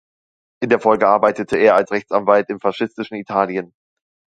In der Folge arbeitete er als Rechtsanwalt im faschistischen Italien.